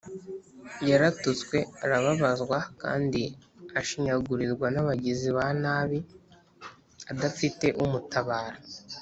yaratutswe, arababazwa kandi ashinyagurirwa n’abagizi ba nabi adafite umutabara